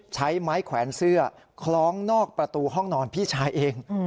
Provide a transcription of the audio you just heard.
ใช้ไม้แขวนเสื้อคล้องนอกประตูห้องนอนพี่ชายเอง